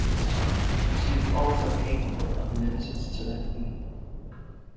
She is also capable of limited telepathy.